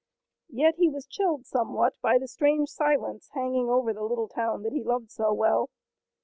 Yet he was chilled somewhat by the strange silence hanging over the little town that he loved so well.